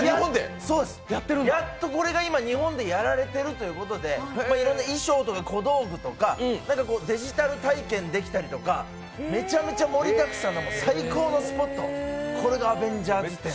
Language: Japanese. やっとこれが今、日本でやられてるということでいろんな衣装とか小道具とか、デジタル体験できたりとかめちゃめちゃ盛りだくさんの最高のスポット、これがアベンジャーズ展。